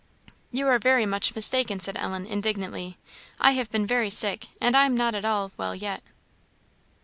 "You are very much mistaken," said Ellen, indignantly; "I have been very sick, and I am not at all well yet."